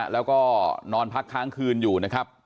แล้วก็นอนพักค้างคืนอยู่นะครับ